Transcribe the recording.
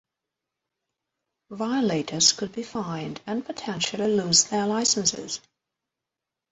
Violators could be fined and potentially lose their licenses.